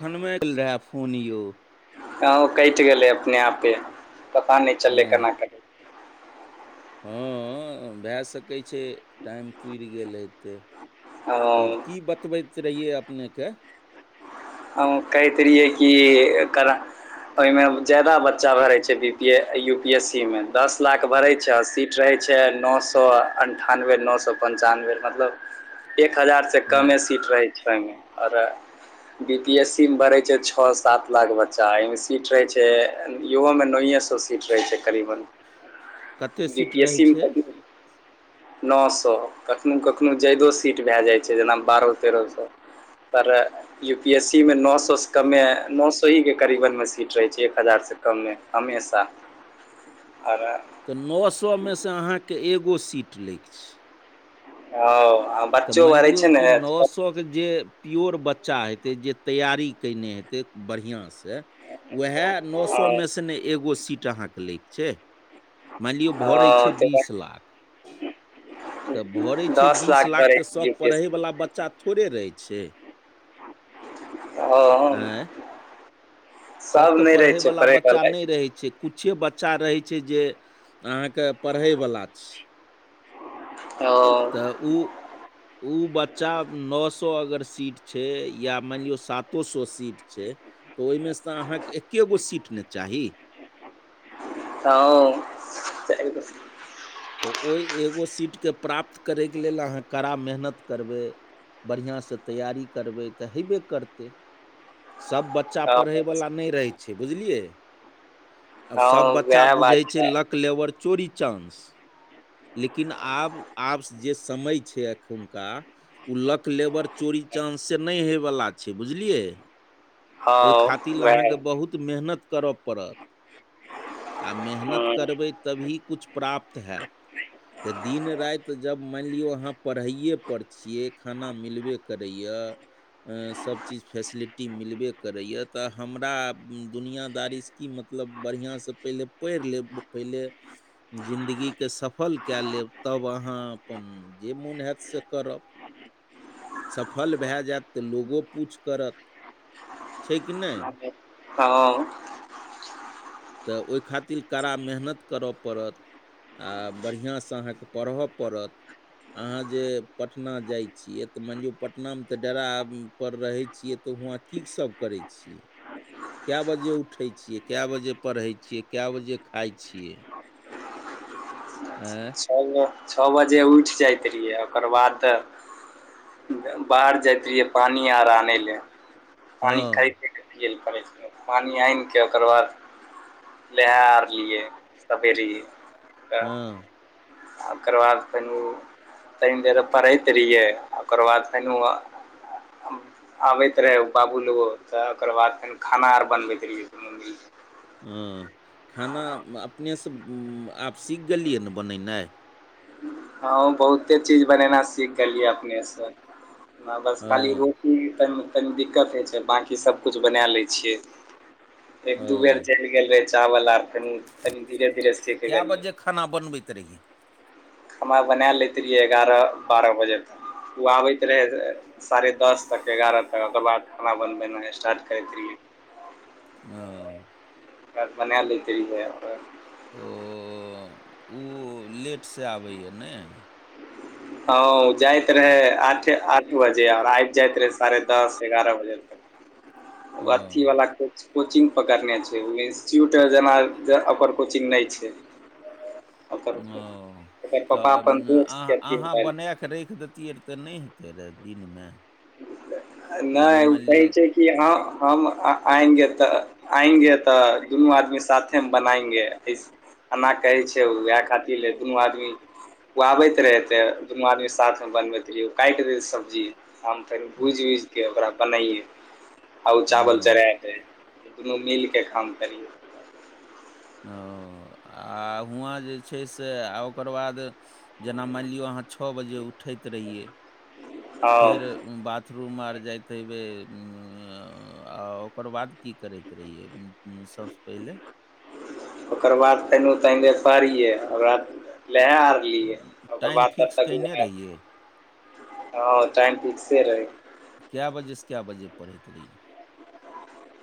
खनमेए क लेए फोन यौ। ह ओ कटि गेलै अपने आप पेन पता नहि चललै हँ केना क हँ भए सकै छै टाइम पुरि गेल हेतै। तब की बतबैत रहियै अपनेके? हॅं कहैत रहियै कि कला ओहि में जादा बच्चा भरै छै B P U P S C में दस लाख भरै छै आओर सीट रहै छै नौ सौ अनठानबे नौ सौ पंचानबे मतलब एक हजार से हँ कमे सीट रहै छै। सीट रहै छै ओहिमे आओर बी पी एस सी मे भरै छै छओ सात लाख बच्चा ए मे सीट रहे छै इहो में नए सौ सीट रहै छै करीबन कतेक बी सीट पी एस रहै सी मे छै करीब नअ सौ कखनो कखनो जादो सीट भए जाइ छै जेना बारह तेरह सौ। [inaudible] यू पी एस सी मे नअ सौ से कमे नअ सौ हीे करीबन मे सीट रहै छै एक हजार सँ कम्मे हमेशा। [inaudible] आ रा [inaudible] तऽ नअ सौ मे सँ अहाँके एगो सीट लै के छै। हॅं आ तऽ बच्चो अर मानि लियौ अइछे कि ने। नओ सएके जे प्योर बच्चा हेतै जे तैयारी कयने हेतै बढ़िआँ सँ उएह नअ सौ मे से ने एगो सीट ने अहाँके लै के छै। मानि लियौ ह भरै छै त [inaudible] बीस लाख तऽ भरै छै बीस लाख तऽ छै यू सभ पी एस पढ़य सी बला बच्चा थोड़े रहै छै। आँय [inaudible] सभ सब तऽ नहि रहै छै पढ़ैबला पढ़ै बच्चा वाला नहि रहै छै। कुछे बच्चा रहै छै जे अहाँके पढ़ैबला छै। ओ तऽ ऊ ओ बच्चा नओ सए अगर सीट छै, या माइन लियो सातो सए सीट छै, तऽ ओइमे सँऽ अहाँके एकेगो सीट नै चाही। हँ [unintelligible] तऽ ओइ एगो सीटकेँ प्राप्त करयके लेल अहाँ कड़ा मेहनत करबै। बढ़िआँसँ तैयारी करबै तऽ हेबे करतै सभ बच्चा सब बच्चा पढ़ ब नै रह छै, बुझलिये आ हँ सब बच्चा वएह बुझे बात छे, छै लक लेअवर चोरी चानं्स लेकिन आब -आब जे समय छै एखुनका ओ लक लेबर चोरी चानस से नहि होवला छै बुझलियै। हँ ओहि खातिर लए वएह अहाँके बहुत मेहनत करय पड़त। आओर मेहनत हूँ करबै तभी किछु, प्राप्त हैत दिन राईत्र जब मायणलियो आहाँ पढ़ैए पर छियै खाना मिलबे करैए सब चीज फैसिलिटी मिलबे करैए तऽ हमरा दुनिया दारी श की मतलब बढ़िआँ सँ पहिले पढ़ि लेब पहिले जिन्दगीके सफल कए लेब तब अहाँ अपन जे मोन हैत से करब सफल भए जायत तऽ लोगो पूछ करत छै कि नैय। ह तऽ ओई खातिर कड़ा मेहनत करय पड़त आ बढ़िआँसँ अहाँकेँ पढ़य पड़त अहाँ जे पटना जाइ छियै तऽ मानि लियौ पटना मे तऽ डेरा पर रहे छियै तऽ उंहा की सब करै छियै, कए बजे उठै छियै, कए बजे पढ़ै छियै, केंय बजे खाइ छियै। ऐं छ बजे उठि जाइत रहियै ओकर बाद त बाहर जाइत रहियै पानि आर आनय लए पानि हँ खइत पानि आइन कऽ ओकर बाद नहा आर लियै सबेरै। हँ ओकर बाद फेनो तनि देर पढ़ैत रहियै ओकर बाद फेनु आ आबैत रहै बाबू लगो तऽ ओकर बाद तनि खाना आर बनबैत रहियै। दुनू मिल कऽ हँ खाना अपनेसँ आब सीख गेलियै ने बनेनाइ ह हँ बहुते चीज बनेनाइ सीख गेलियै अपने सँ ह बस हँ खाली रोटीक त तनि दिक्कत होइ छै बाँकी सभकिछु बना लै छियै। एक दू हँ बेर जरी गेल रहे चावल आर कनी तनी धीरे - धीरे सीखे कए गेलियै। बजे खाना बनबैत रहियै। हमा बना लैत रहियै एगारह, बारह बजे तक ओ आबैत रहै। साढ़े दस तक एगारह तक ओकर बाद खाना बनबनाइ स्टार्ट करैत रहियै। ओ तहन बनालैत रहियै अत ओ ऊ लेटसँ आबैए ने हँ ऊ जाइत आ रहै आठे आठ बजे, अओर आइब जाइत रहै साढ़े दस एगारह बजे तक। उ ओ अथीवला के कोचिंग पकड़ने छै, ओ इंस्टिट्यूट जेना ज ओकर कोचिंग नहि छै। ओकर ओं ओकर पापा तब अपन दोस्त आह के अथी अहाँ भेल बना कऽ रखि देैतियै रऽ तऽ नहि हेतै रए दिनमे। जेना नहि ओ मानि कहै लियौ छै कि हम आएंगे तऽ [unintelligible] तऽ दुनू आदमी साथे मे [unintelligible] अना कहै छै ओएह खातिर ल दुनू आदमी ओ आबैत रहै तऽ, दुनू आदमीे साथमे बनबैत रहियै ओ काटि दैै सब्जी। हम फेर भूजि उज के ओकरा बनैये, आ उ ओ चावल चढ़ाय दै। दुनू मिलके काम करियै। ओ आ हुआँ जे छै से, आ ओकर बाद जेना मानि लियौ अहाँ छऽ बजे उठैत रहियै। हँ फेर बाथरूम आर जाइत हेबै, आ ओ ओकर बाद की करैत रहियै सबसँ पहिले। ओकर बाद फेनु तनि देर पढ़ियै, ओकर बाद लेहै आरलीए ओकर टाइम बाद तब फिक्स तक उ कयने बनै रहियै हँ टाइम फिक्से रहै। कैं बजेसँ कैं बजे पढ़ैत रहियै।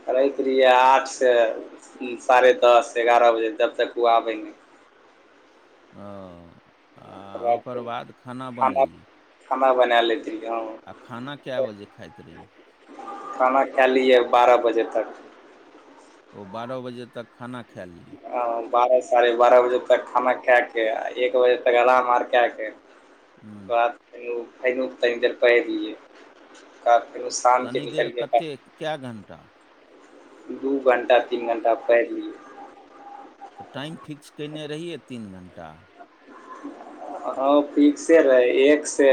पढ़इत रहियै आठसँ साढ़े दस एगारह बजे जब तक उ आबै नहि। ओं आ ओकर बाद खाना बनैये। खाना बनाए लेती। आ खाना कए बजे खाइत रहियै। खाना खैए लियै बारह बजे तक। ओ बारह बजे तक खाना खैए लियै। बारह साढ़े बारह बजे तक खाना खैए के, आ एक बजे तक आराम आर कैए के ओकर हूँ बाद फेनो फैनो तनी देर पइढ़ लियै। ओकर बाद फेरो शाम के निकल के पढ़ कैए घण्टा दू घंटा तीन घंटा पढ़ि लियै। त टाइम फिक्स कैने रहियै तीन घंटा। [inaudible] हँ फिक्से रहै, एक से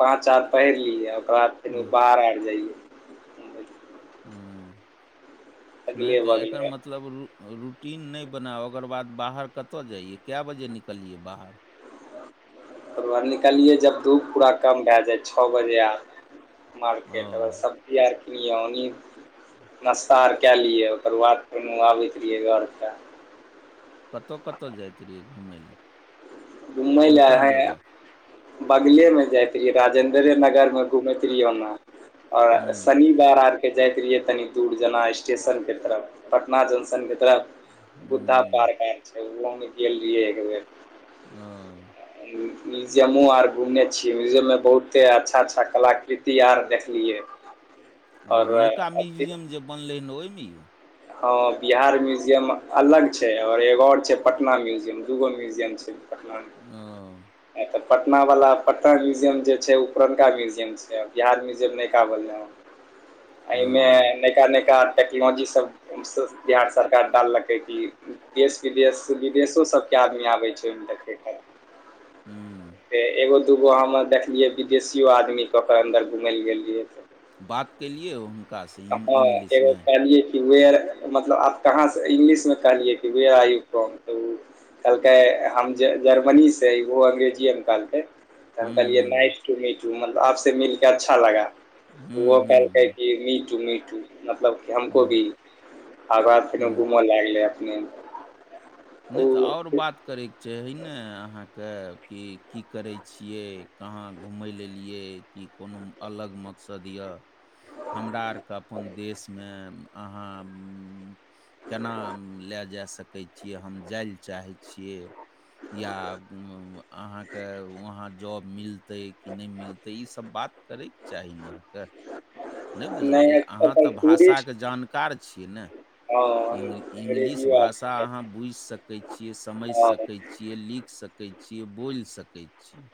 पाँच आर पैढ़ लियै ओकर बाद फेनो हूँ बाहर आबि जाइयै। हूं नहि अगले तऽ एकर बगले मत मतलब रु रूटीन नै बनाउ, ओकर बाद बाहर कत जइयै कै बजे निकलियै बाहर। ओकर बाद निकलियै जब धूप पूरा कम भै जाइ, छऽ बजे आर ओ मार्केट ओकर बाद सब टी आर पी लिये ओनी, नाश्ता आर कैं लियै ओकर बाद दुनू आबैत रहियै घर ता। कतऽ- कतऽ जाइत रहियै घूमै लए। घुमै कोन ले कोन अहै जगह बगलेमे जाइत रहियै, राजेन्द्रे नगरमे घुमैत रहियै ओना, और हूँ शनी वार आर के जाइत रहियै, तनी दूर जेना स्टेशन के तरफ, पटना जंक्शन के तरफ। बुद्धा हूँ पार्क आर छै, उहो में गेल रहियै एक बेर। हँ। म्यूजियमो आर घुमने छिअइ म्यूजियम में बहुत कते अच्छा अच्छा कलाकृति आर देखलियै ओ आओर नैका म्युजियम जे बनलै न ओइमे हँ बिहार म्युजियम अलग छै, और एगो और छै पटना म्युजियम दूगो म्युजियम छै। पटना ओ एतऽ पटना वला पटना म्युजियम जे छै ओ पुरनका म्युजियम छै, बिहार म्यूजियम नइका वनलै हैं, ओ अइमे नइका- नइका टेक्नोलॉजी सब ई सब बिहार सरकार डाललकै कि देश विदेश - विदेशो सभके आदमी आबै छै ओहिमे देखै ले। हूं। हे एगो दूगो हम अर देखलियै विदेशियो आदमीके ओकर अन्दर घुमै ले गेल गेलियै तऽ बात केलियै अहुं हँ एगो कहलियै वेयर मतलब आप कहाँ से इंग्लिश में कहलियै कि व्हेयर आर यू फ्राम तऽ कहलकै हम जर्मनीसे इहो अङंग्रेजिएमें कहलकै। तऽ हम हुँ कहलियै हुँ नाइस टू मीट यू मतलब आपसे मिलके अच्छा लगा उहो हुँ हुँ कहल कहै हुँ कि मी टू - मी टू मतलब कि हमको हुँ भी आंगा फेनो हुँ घुम लागलै हुं। नै तऽ और बात करके चाही ने अहाँक के की करै छियै, कहाँ घुमय ले एलियै कि कोनो अलग मकसद य हमरा आरके अपन देश में अहाँ केना लै जा सकै छी। कि हम जाइ ले चाहै छियै। या उ - उ अहाँके वहाँ जॉब मिलतै कि नै मिलतै ई सब बात करैके चाही ने अहाँके। नै बुझलियै नहि अहाँ ओकर त टूरिस्ट भाषाके जानकार छियै ने। हँ इंग - इंग्लिश अंग्रेजियो भाषा आबै छै, अहाँ बुझि सकै छियै समझ हँ सकै छीये ई लिखि सकै छियै बोलि सकै छियै।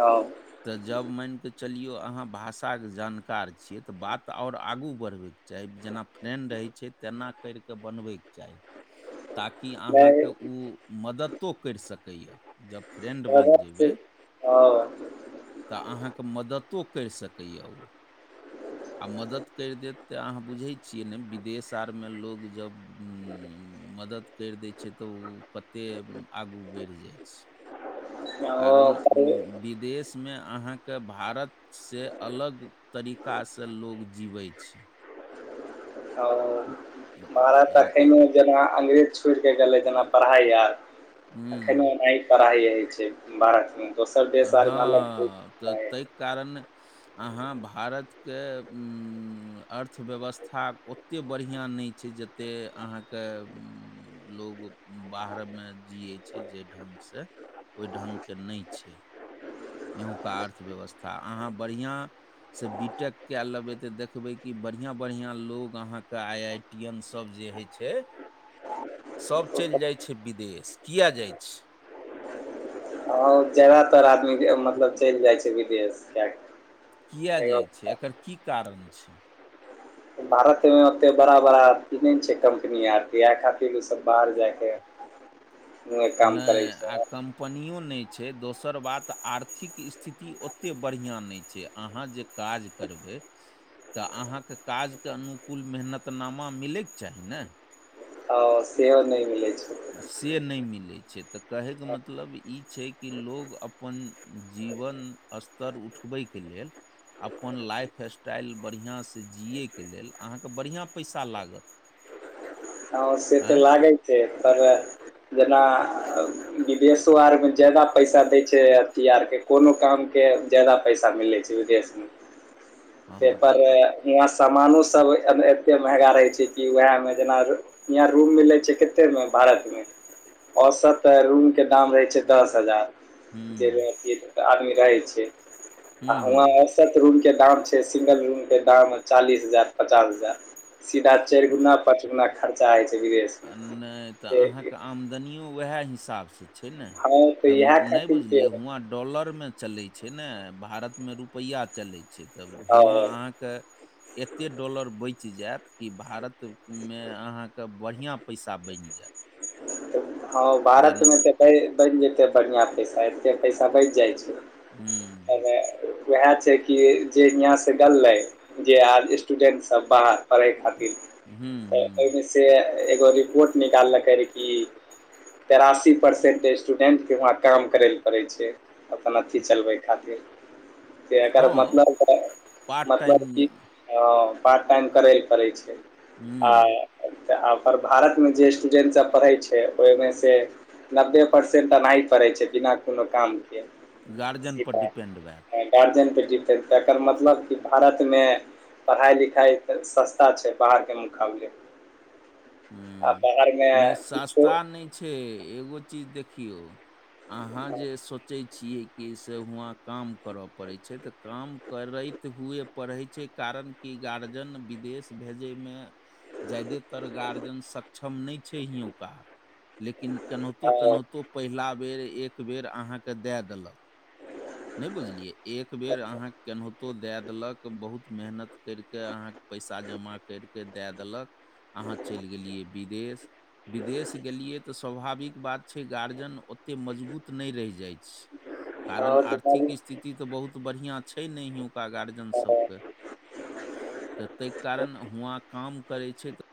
हं। त जब मानिके चलियौ अहाँ भाषा के जानकार छियै त बात और आगु बढ़बैके चाही जेना फ्रेंड रहै छै तेना करिके बनबैके चाही ताकि नहि अहाँके उ मदतो करि सकैए जब फ्रेन्ड बनि जेबै हं अं। तऽ अहाँके मदतो करि सकैए उ। आ मदति करि देत तऽ अहाँ बुझैत छियै ने विदेश आरमे लोक जब मदत करि दै छै तऽ ओ कतेक आगू बढ़ि जाइ छै। ओ कारण पर विदेश में अहाँके भारतसँ अलग तरीका सँ लोक जीबै छै। ह। मारत अखनो जेना अंग्रेज छोड़ के गेले जेना पढ़ाई आर अखनो हूँ एना पढ़ाइ होइ छै भारत में दोसर देश आरमे अलग होई छै। हँ तऽ तै कारण अहाँ भारतके अर्थव्यवस्था ओतेक बढ़िआँ नहि छै ज से अहाँके लोग बाहरमे जियै छै जाहि ढङ्गसँ ओहि ढङ्गके नहि छै। यहूका अर्थव्यवस्था अहाँ बढ़िआँ से बी टेक कए लेबै तऽ देखबै की बढ़ियां बढ़ियां लोग अहाँके आई आईटी टियन सभ जे होइ छै। सभ चलि जाइ छै विदेश, किए जाइ छै? आ जादातर आदमी मतलब चलि जाइ छै विदेश जा किए जाइ छै एकर की कारन छै? भारत मे ओते बड़ा बड़ा नहि छै कम्पनी आर इएह खातिर ओ सब बाहर जायके काम नहि करै छै आ कम कम्पनियो नहि छै दोसर बात आर्थिक स्थिति ओतेक बढ़िआँ नहि छै अहाँ जे काज करबै। तऽ अहाँके काजके अनुकूल मेहनतनामा मिलैक चाही ने। हॅं सेहो नहि मिलै छै। से नहि मिलै छै तऽ कहैके मतलब ई छै कि लोग अपन जीवन स्तर उठबैक लेल अपन लाइफ स्टाइल बढ़िआँ सँ जियैके लेल अहाँके बढ़िआँ पैसा लागत। [inaudible] हँ से तऽ आँय लागैत छै पर जेना विदेशो आर मे जादा पैसा दै छै अथी आर के कोनो काम के जादा पैसा मिलै छै विदेश [unintelligible] हँ पेपर तऽ मे वहाँ समानो सब एते महगा रहै छै कि वएह मे जेना यहाँ रूम मिलै छै कते मे भारत मे? औसत रूम के दाम रहै छै दस हजार। जे हुँ, अथी आदमी रहै छै आ हुँ, हुँ। हुवां सत रूमके दाम छै सिंगल रूमके दाम चालीस हजार पचास हजार। सीधा चारि गुना पाँच गुना खर्चा होइ छै विदेशमे। आमदनिओ वएह हिसाब से छै ने तऽ इएह नहि खातिर के बुझलियै हुआं डॉलरमे चलैत छै ने भारत में रुपैया चलैय छै त हँ हुवां एते डाॅलर बचि जायत कि भारत में अहां के बढ़िआँ पैसा बनि जायत‌। हँ भारतमे तऽ बनि जेतै बढ़िआँ पैसा एतेक पैसा बचि जाइ छै। हू। हमे वएह छै कि जे हियाँ से गल्लै जे आज स्टूडेन्ट सभ बाहर पढै़य खातिर हूँ तऽ हूँ ओहिमे से एगो रिपोर्ट निकाललकै कि [inaudible] तेरासी परसेन्ट स्टूडेन्टके वहाँ काम करै लए पड़ै छै। अपन अथि चलबै खातिर। से अकर हँ मतलब तऽ पार्ट टाइम मतलब की हँ पार्ट टाइम करैयल पड़ै छै हूँ आ आर भारत मे जे स्टूडेंट सब पढ़ै छै ओहिमे से नब्बे परसेंट एनाहि पढ़ै छै बिना कोनो कामके। गार्जियन पर डिपेंड भए कऽ गार्जियन पर जीतै तकर मतलब कि भारत मे पढ़ाइ-लिखाइ तऽ सस्ता छै बाहरके मुकाबले। आ हूँ बाहरमे नहि सस्ता किछो नै छै एगो चीज देखियौ अहाँ जे सोचै छियै कि से उहां काम करऽ पड़ै छै तऽ काम करैत हुए पढ़ै छै कारण कि गार्जियन विदेश भेजैमे ज्यादेतर गार्जियन सक्षम नै छै इहोंका लेकिन केनाहितो -केनाहितो पहिला बेर एक बेर अहाँके दए देलक। [inaudible] नै बुझलियै एक बेर अहाँ के केनहितो दए देलक बहुत मेहनत करि कऽ अहाँ पैसा जमा करिके दए देलक अहाँ चलि गेलियै विदेश विदेश गेलियै तऽ स्वाभाविक बात छै गार्जियन ओते मजबूत नै रहि जाइ छै। कारण आर्थिक स्थिति तऽ बहुत बढ़िआं छै ने इहोंका गार्जियन सबके। तऽ तै कारण हुआँ काम करै छै त